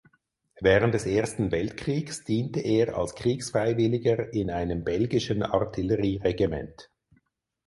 Während des Ersten Weltkriegs diente er als Kriegsfreiwilliger in einem belgischen Artillerieregiment.